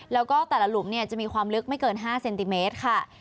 แล้วก็แต่ละหลุมจะมีความลึกไม่เกิน๕เซนติเมตรค่ะ